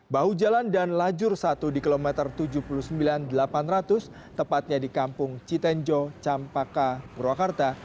bahu jalan dan lajur satu di kilometer tujuh puluh sembilan delapan ratus tepatnya di kampung citenjo campaka purwakarta